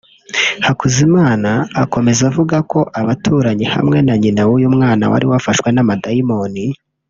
Hakuzimana akomeza avuga ko abaturanyi hamwe na nyina w’uyu mwana wari wafashwe n’abadayimoni